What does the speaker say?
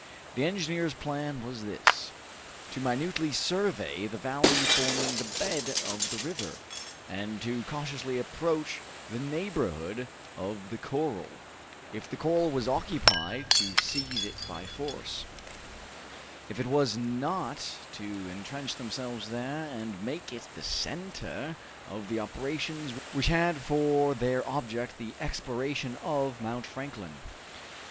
The engineer's plan was this: To minutely survey the valley forming the bed of the river, and to cautiously approach the neighborhood of the corral; if the corral was occupied, to seize it by force; if it was not, to entrench themselves there and make it the center of the operations which had for their object the exploration of Mount Franklin.